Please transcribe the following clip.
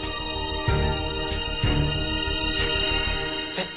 えっ？